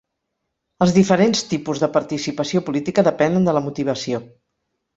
Els diferents tipus de participació política depenen de la motivació.